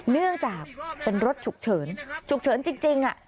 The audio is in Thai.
เนื่องจากเป็นรถฉุกเฉินฉุกเฉินจริง